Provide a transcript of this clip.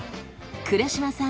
倉嶋さん